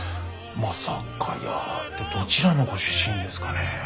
「まさかやー」ってどちらのご出身ですかね。